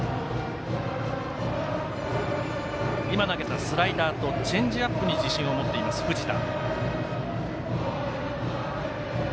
今投げたスライダーとチェンジアップに自信を持っています、藤田。